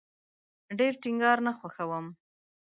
ډیر ټینګار نه خوښوم